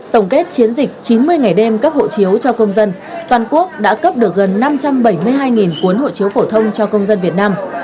tổng kết chiến dịch chín mươi ngày đêm cấp hộ chiếu cho công dân toàn quốc đã cấp được gần năm trăm bảy mươi hai cuốn hộ chiếu phổ thông cho công dân việt nam